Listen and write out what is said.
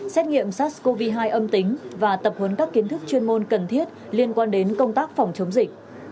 xét nghiệm sars cov hai âm tính và tập huấn các kiến thức chuyên môn cần thiết liên quan đến công tác phòng chống dịch